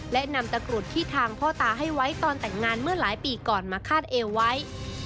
และนำตะกรุดที่ทางพ่อตาให้ไว้ตอนแต่งงานเมื่อหลายปีก่อนมาคาดเอวไว้